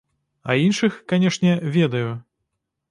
А іншых, канешне, ведаю.